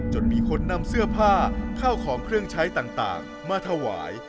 จนมีคนนำเสื้อผ้าข้าวของเครื่องใช้ต่างมาถวาย